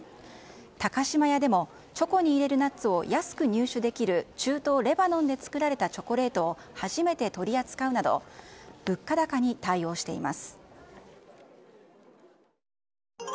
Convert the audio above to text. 高島屋でもチョコに入れるナッツを安く入手できる中東レバノンで作られたチョコレートを初めて取り扱うなど物価高に対応しています。